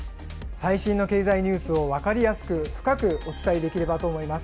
最新の経済ニュースを分かりやすく深くお伝えできればと思います。